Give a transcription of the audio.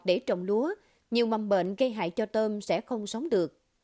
để trồng lúa nhiều mầm bệnh gây hại cho tôm sẽ không sống được